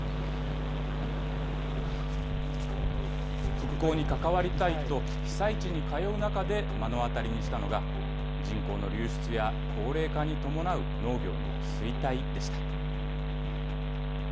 復興に関わりたいと、被災地に通う中で目の当たりにしたのが、人口の流出や高齢化に伴う農業の衰退でした。